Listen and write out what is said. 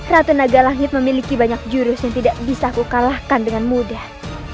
ratu naga langit memiliki banyak jurus yang tidak bisa aku kalahkan dengan mudah